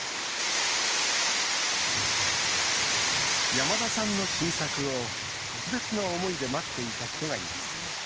山田さんの新作を特別な思いで待っていた人がいます。